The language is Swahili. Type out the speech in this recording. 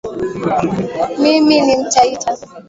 Mimi ni mtaita